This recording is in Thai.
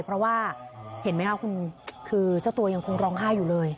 เพราะว่าเห็นไหมคะคุณคือเจ้าตัวยังคงร้องไห้อยู่เลย